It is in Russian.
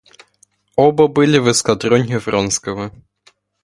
Оба были в эскадроне Вронского.